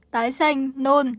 tái xanh nôn